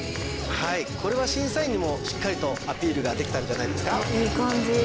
はいこれは審査員にもしっかりとアピールができたんじゃないですかいい感じ